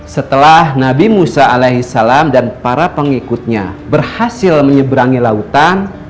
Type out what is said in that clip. setelah nabi musa alaihi salam dan para pengikutnya berhasil menyeberangi lautan